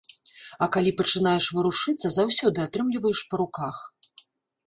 А калі пачынаеш варушыцца, заўсёды атрымліваеш па руках.